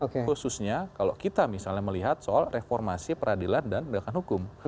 khususnya kalau kita misalnya melihat soal reformasi peradilan dan pendekatan hukum